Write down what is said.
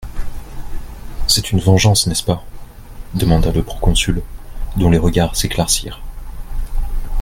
C'est une vengeance, n'est-ce pas ? demanda le proconsul dont les regards s'éclaircirent.